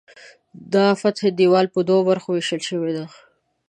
د الفتح دیوال په دوو برخو ویشل شوی دی.